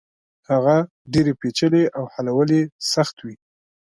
هغه ډېرې پېچلې او حلول يې سخت وي.